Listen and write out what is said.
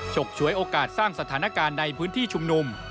ฉกฉวยโอกาสสร้างสถานการณ์ในพื้นที่ชุมนุม